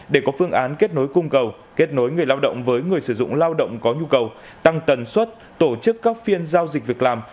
để có phương án kết nối cung cầu kết nối người lao động với người sử dụng lao động có nhu cầu tăng tần suất tổ chức các phiên giao dịch việc làm